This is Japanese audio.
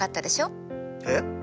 えっ？